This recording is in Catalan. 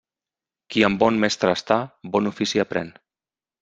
Qui amb bon mestre està, bon ofici aprén.